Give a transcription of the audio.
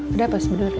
ada apa sebenernya